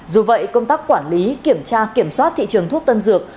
dù vậy công tác quản lý kiểm tra kiểm soát thị trường thuốc tân dược